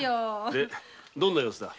でどんな様子だ？